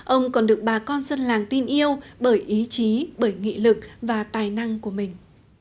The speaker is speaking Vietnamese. ông còn được bà con dân làng tin yêu bởi ý chí bởi nghị lực và tài năng của mình